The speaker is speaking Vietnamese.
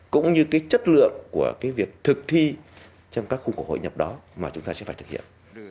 cũng như cái chất lượng của cái việc thực thi trong các khu cổ hội nhập đó mà chúng ta sẽ phải thực hiện